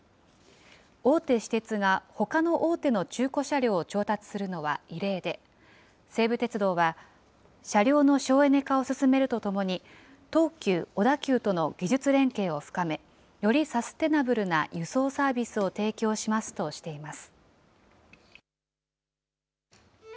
大手私鉄がほかの大手の中古車両を調達するのは異例で、西武鉄道は、車両の省エネ化を進めるとともに、東急、小田急との技術連携を深め、よりサステナブルな輸送サービスを提供しますとしています。